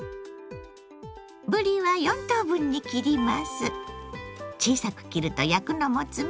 ぶりは４等分に切ります。